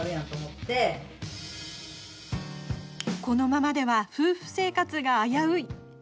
このままでは夫婦生活が危うい。